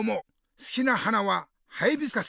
好きな花はハイビスカス。